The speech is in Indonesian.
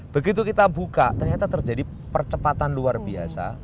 begitu kita buka ternyata terjadi percepatan luar biasa